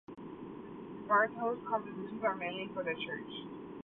Bairstow's compositions are mainly for the church.